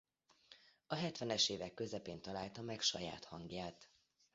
A hetvenes évek közepén találta meg saját hangját.